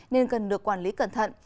nên cần được quản lý cẩn thận